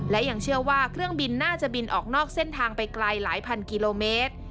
และยังเชื่อว่าเครื่องบินน่าจะบินออกนอกเส้นทางไปไกลหลายพันกิโลเมตร